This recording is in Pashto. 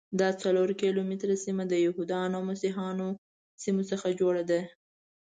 دا څلور کیلومتره سیمه د یهودانو او مسیحیانو سیمو څخه جوړه ده.